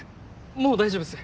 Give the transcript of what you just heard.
もう大丈夫っす。